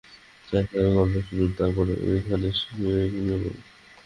চা খেয়ে গল্প শুনুন, তারপর এইখানেই শুয়ে ঘুমিয়ে পড়ুন।